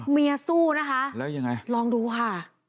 เมียสู้นะคะลองดูค่ะ